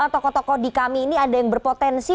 tokoh tokoh di kami ini ada yang berpotensi